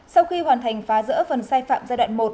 sau khi hoàn thành phá rỡ phần sai phạm giai đoạn một